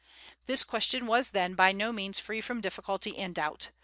This question was then by no means free from difficulty and doubt.